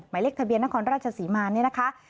หมายเลขทะเบียนนครราชศรีมานี่นะคะ